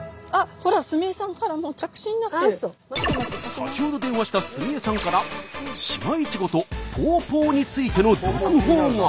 先ほど電話した須美恵さんから島イチゴとポーポーについての続報が！